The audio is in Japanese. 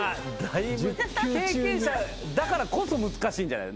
経験者だからこそ難しいんじゃない？